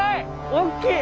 大きい！